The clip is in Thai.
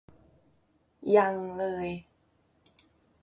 ยังเลย